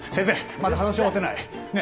まだ話終わってないねえ。